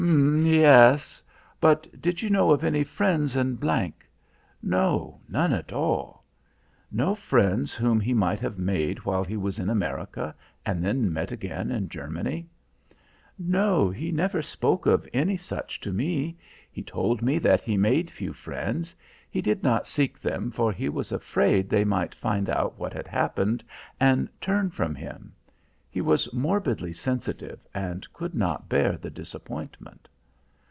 "H'm! yes. But did you know of any friends in G ?" "No, none at all." "No friends whom he might have made while he was in America and then met again in Germany?" "No, he never spoke of any such to me. He told me that he made few friends. He did not seek them for he was afraid that they might find out what had happened and turn from him. He was morbidly sensitive and could not bear the disappointment."